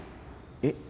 えっ？